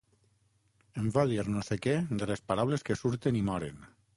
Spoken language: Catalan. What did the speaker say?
Em va dir no sé què de les paraules que surten i moren.